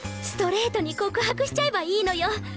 ストレートに告白しちゃえばいいのよ。